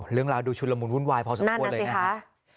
เรื่องราวดูชุดละมุนวุ่นวายพอสักพอเลยนะ